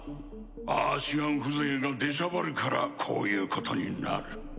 アーシアン風情が出しゃばるからこういうことになる。